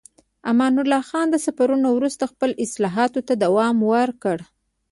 امان الله خان د سفرونو وروسته خپلو اصلاحاتو ته دوام ورکړ.